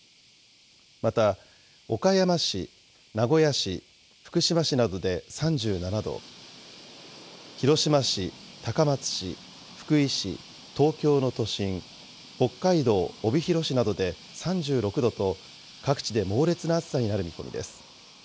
また、岡山市、名古屋市、福島市などで３７度、広島市、高松市、福井市、東京の都心、北海道帯広市などで３６度と、各地で猛烈な暑さになる見込みです。